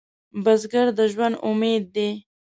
بزګر د ژوند امید دی